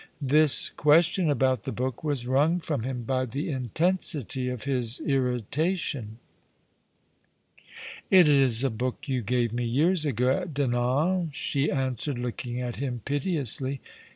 This question about the book was wrung from him by the intensity of his irritation. "It is a book you gave me years ago at Dinan," she answered, looking at him piteously.